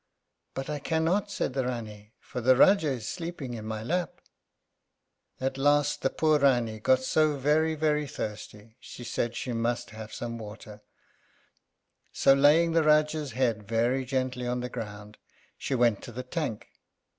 "But I cannot," said the Rání, "for the Rájá is sleeping in my lap." At last the poor Rání got so very, very thirsty, she said she must have some water; so laying the Rájá's head very gently on the ground she went to the tank.